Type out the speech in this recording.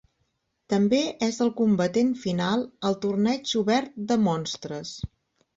També és el combatent final al torneig obert de monstres.